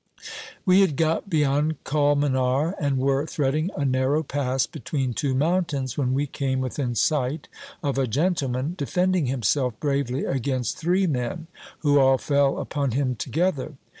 We had got beyond Colmenar, and were threading a narrow pass between two mountains, when we came within sight of a gentleman defending himself bravely against three men, who all fell upon him together.